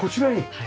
はい。